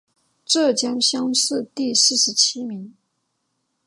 浙江乡试第四十七名。